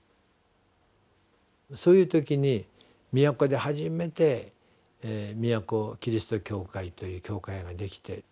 そういう時に宮古で初めて宮古キリスト教会という教会が出来て。